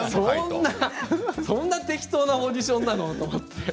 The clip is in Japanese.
そんな適当なオーディションなのって。